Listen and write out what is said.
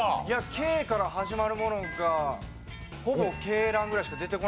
「鶏」から始まるものがほぼ鶏卵ぐらいしか出てこなかったので。